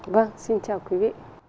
vâng xin chào quý vị